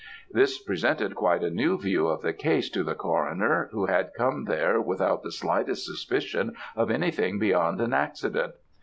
"This presented quite a new view of the case to the coroner, who had come there without the slightest suspicion of anything beyond an accident.